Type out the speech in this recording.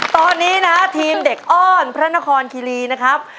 ตอนนี้นะฮะทีมเด็กอ้อนพระนครคิรีนะครับ